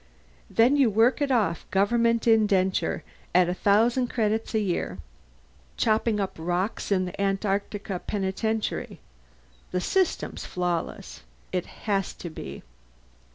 "Then you work it off in Government indenture, at a thousand credits a year chopping up rocks in the Antarctica Penitentiary. The system's flawless. It has to be.